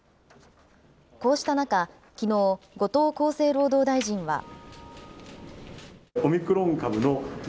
こうした中、きのう、後藤厚生労働大臣は。